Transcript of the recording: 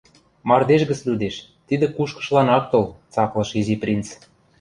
«Мардеж гӹц лӱдеш — тидӹ кушкышлан ак тол, — цаклыш Изи принц